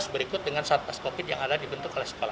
berikut dengan saat pas covid yang ada di bentuk kelas sekolah